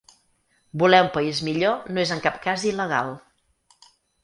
Voler un país millor no és en cap cas il·legal.